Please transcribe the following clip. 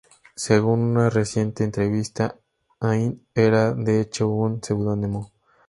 Según una reciente entrevista, Ain era, de hecho, un pseudónimo.